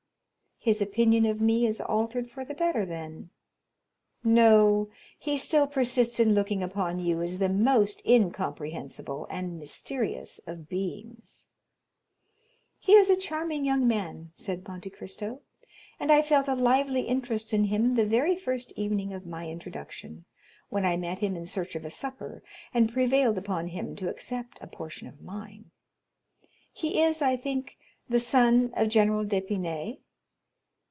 "His opinion of me is altered for the better, then?" "No, he still persists in looking upon you as the most incomprehensible and mysterious of beings." "He is a charming young man," said Monte Cristo "and I felt a lively interest in him the very first evening of my introduction, when I met him in search of a supper, and prevailed upon him to accept a portion of mine. He is, I think, the son of General d'Épinay?"